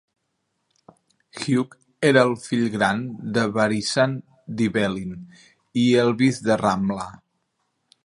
Hugh era el fill gran de Barisan d'Ibelin i Helvis de Ramla.